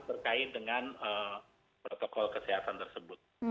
terkait dengan protokol kesehatan tersebut